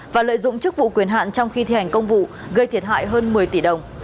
và lợi dụng chức vụ quyền hạn trong khi thi hành công vụ gây thiệt hại hơn một mươi tỷ đồng